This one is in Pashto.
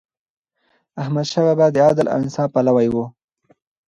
احمدشاه بابا د عدل او انصاف پلوی و.